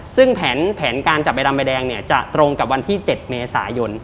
ซึ่งแผนการจับใบดำใบแดงเนี่ยจะตรงกับวันที่๗เมษายน